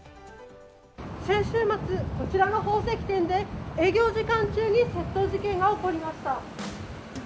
先週末、こちらの宝石店で営業時間中に窃盗事件が起こりました。